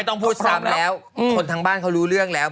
ไม่ต้องพูดซ้ำนะทุกคนทางบ้านรู้เรื่องแล้ว